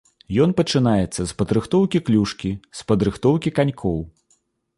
Ён пачынаецца з падрыхтоўкі клюшкі, з падрыхтоўкі канькоў.